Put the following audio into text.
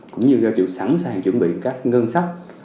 cũng như sẵn sàng chuẩn bị các ngân sách